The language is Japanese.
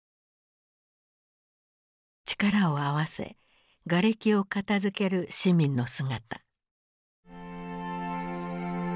力を合わせがれきを片づける市民の姿。